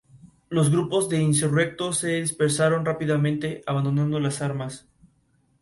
Élitros densamente rugoso-punteados, ensanchados por detrás, con cuatro costillas longitudinales.